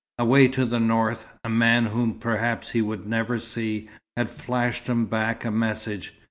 Away to the north, a man whom perhaps he would never see, had flashed him back a message.